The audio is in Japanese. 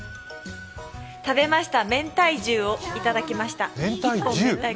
食べました、めんたい重を食べました。